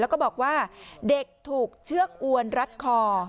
แล้วก็บอกว่าเด็กถูกเชือกอวนรัดคอ